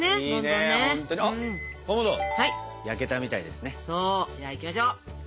じゃあいきましょう！